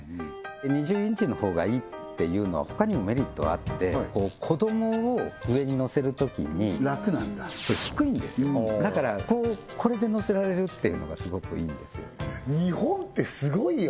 ２０インチのほうがいいっていうのは他にもメリットあって子どもを上に乗せるときに楽なんだ低いんですだからこれで乗せられるっていうのがスゴくいいんです日本ってスゴいよ